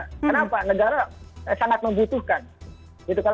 kenapa negara sangat membutuhkan